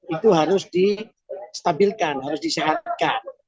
itu harus di stabilkan harus disehatkan